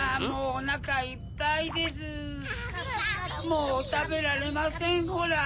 もうたべられませんホラ。